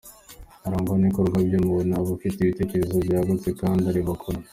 Arangwa n’ibikorwa by’ubumuntu, aba afite ibitekerezo byagutse kandi areba kure.